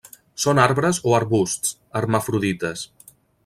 Són arbres o arbusts; hermafrodites.